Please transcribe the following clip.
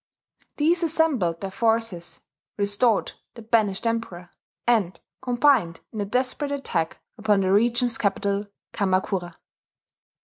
These assembled their forces, restored the banished Emperor, and combined in a desperate attack upon the regent's capital, Kamakura.